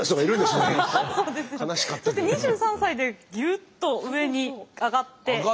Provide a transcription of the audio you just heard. そして２３歳でギュッと上に上がっていますよね。